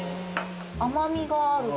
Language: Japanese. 甘味がある。